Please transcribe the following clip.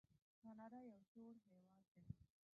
کاناډا یو سوړ هیواد دی.